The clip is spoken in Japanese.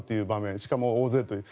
しかも、大勢という。